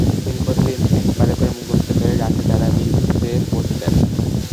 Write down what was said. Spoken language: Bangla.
তিনি প্রতিদিন এক পারা করে মুখস্থ করে রাতে তারাবীহতে পড়তেন।